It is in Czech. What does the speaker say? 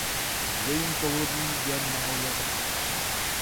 V jejím povodí je mnoho jezer.